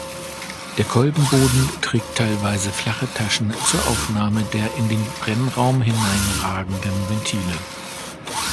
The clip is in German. Der Kolbenboden trägt teilweise flache Taschen zur Aufnahme der in den Brennraum hineinragenden Ventile.